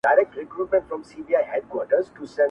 د کلي فضا ورو ورو بيا عادي کيږي,